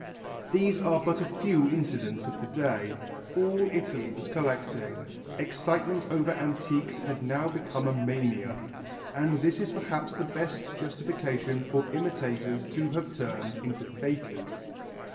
These are but a few incidents of the day. All Italy was collecting. Excitement over antiques had now become a mania, and this is perhaps the best justification for imitators to have turned into fakers.